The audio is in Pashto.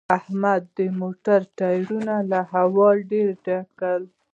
احمد د موټر ټایر له هوا ډېر ډک کړ